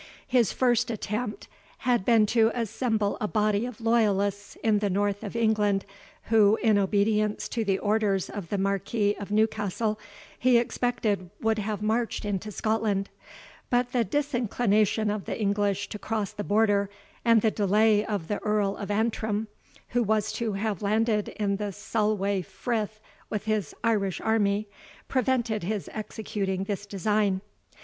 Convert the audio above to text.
His first attempt had been to assemble a body of loyalists in the north of England, who, in obedience to the orders of the Marquis of Newcastle, he expected would have marched into Scotland; but the disinclination of the English to cross the Border, and the delay of the Earl of Antrim, who was to have landed in the Solway Frith with his Irish army, prevented his executing this design.